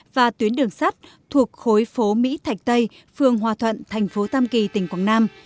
và tuyến đường sắt thuộc khối phố mỹ thạch tây phường hòa thuận thành phố tam kỳ tỉnh quảng nam